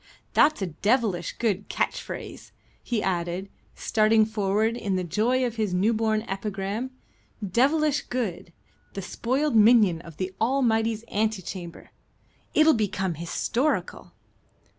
That's a devilish good catch phrase," he added, starting forward in the joy of his newborn epigram: "Devilish good. 'The spoiled minion of the Almighty's ante chamber.' It'll become historical."